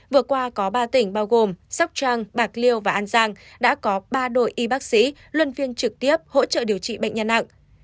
vừa qua có ba tỉnh bao gồm sóc trăng bạc liêu và an giang đã có ba đội y bác sĩ luân phiên trực tiếp hỗ trợ điều trị bệnh nhân nặng